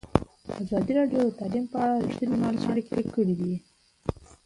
ازادي راډیو د تعلیم په اړه رښتیني معلومات شریک کړي.